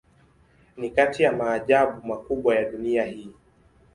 Ni kati ya maajabu makubwa ya dunia hii.